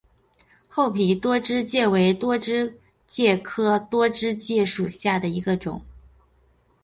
厚皮多枝介为多枝介科多枝介属下的一个种。